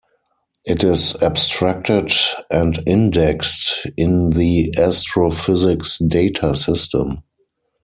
It is abstracted and indexed in the Astrophysics Data System.